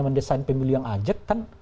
mendesain pemilu yang ajak kan